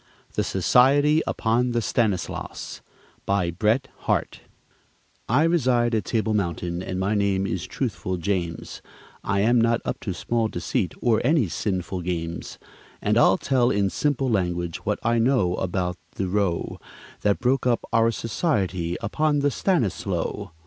THE SOCIETY UPON THE STANISLAUS BY BRET HARTE I reside at Table Mountain, and my name is Truthful James; I am not up to small deceit, or any sinful games; And I'll tell in simple language what I know about the row That broke up our society upon the Stanislow.